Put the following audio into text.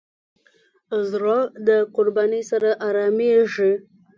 زړه د قربانۍ سره آرامېږي.